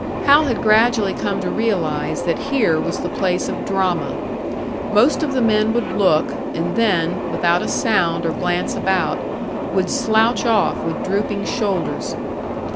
Hal had gradually come to realise that here was the place of drama. Most of the men would look, and then, without a sound or glance about, would slouch off with drooping shoulders.